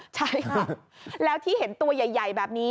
ใช่ค่ะแล้วที่เห็นตัวใหญ่แบบนี้